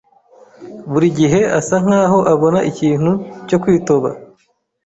buri gihe asa nkaho abona ikintu cyo kwitoba.